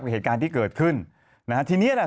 ทางแฟนสาวก็พาคุณแม่ลงจากสอพอ